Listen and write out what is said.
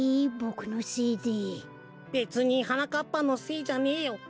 べつにはなかっぱのせいじゃねえよ。